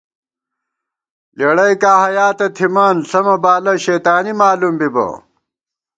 لېڑَئیکاں حیا تہ تھِمان، ݪمہ بالہ شیطانی مالُوم بِبہ